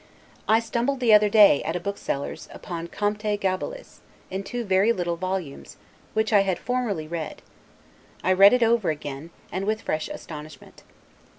I stumbled, the other day, at a bookseller's, upon "Comte Gabalis," in two very little volumes, which I had formerly read. I read it over again, and with fresh astonishment.